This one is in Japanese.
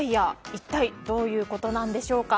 一体どういうことなんでしょうか。